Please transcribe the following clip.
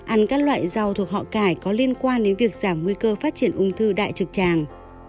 ăn các loại rau thuộc họ cải có liên quan đến việc giảm nguy cơ phát triển ung thư đại trực tràng